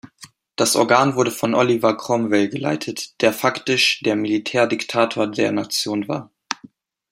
Das Organ wurde von Oliver Cromwell geleitet, der faktisch der Militärdiktator der Nation war.